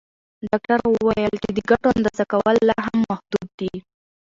ډاکټره وویل چې د ګټو اندازه کول لا هم محدود دي.